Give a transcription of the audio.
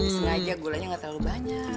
sengaja gulanya nggak terlalu banyak